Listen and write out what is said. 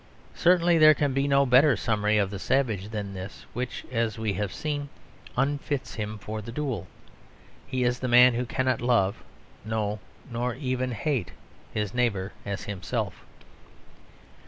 Certainly there can be no better summary of the savage than this, which as we have seen, unfits him for the duel. He is the man who cannot love no, nor even hate his neighbour as himself.